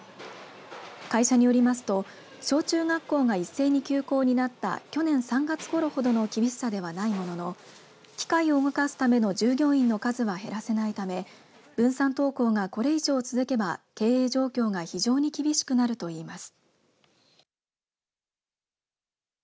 会社によりますと小中学校が一斉に休校になった去年３月ごろほどの厳しさではないものの機械を動かすための従業員の数は減らせないため分散登校が、これ以上続けば経営状況が非常に厳しくなるといいます。